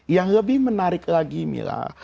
yang lebih menarik lagi mila